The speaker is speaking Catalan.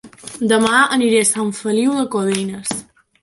Dema aniré a Sant Feliu de Codines